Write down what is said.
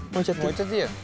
置いちゃっていいよ。